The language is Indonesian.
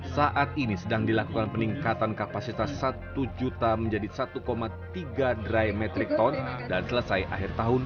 saat ini sedang dilakukan peningkatan kapasitas satu juta menjadi satu tiga dry metric ton dan selesai akhir tahun dua ribu dua puluh tiga